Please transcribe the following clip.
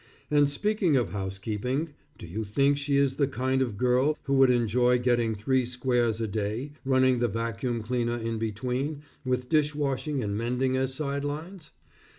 And speaking of housekeeping, do you think she is the kind of girl, who would enjoy getting three squares a day, running the vacuum cleaner in between, with dish washing and mending as side lines?